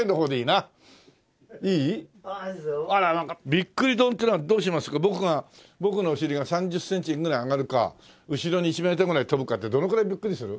びっくり丼っつうのはどうしますか僕のお尻が３０センチぐらい上がるか後ろに１メートルぐらい跳ぶかってどのくらいびっくりする？